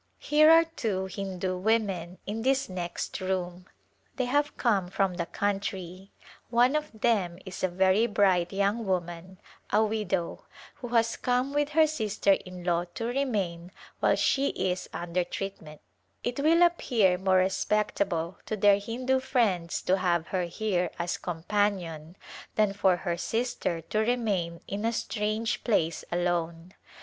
Here are two Hindu women in this next room. They have come from the country. One of them is a very bright young woman — a widow — who has come with her sister in law to remain while she is under treatment ; it will appear more respectable to their Hindu friends to have her here as companion than for her sister to remain in a strange place alone.